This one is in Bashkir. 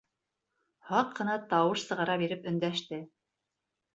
Һаҡ ҡына тауыш сығара биреп өндәште: